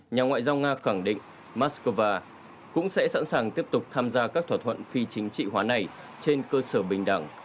nhà ngoại giao nga khẳng định moscow cũng sẽ sẵn sàng tiếp tục tham gia các thỏa thuận phi chính trị hóa này trên cơ sở bình đẳng